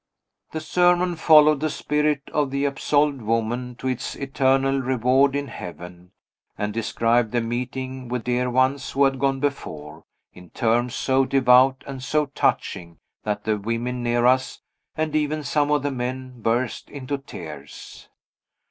The sermon followed the spirit of the absolved woman to its eternal reward in heaven, and described the meeting with dear ones who had gone before, in terms so devout and so touching that the women near us, and even some of the men, burst into tears.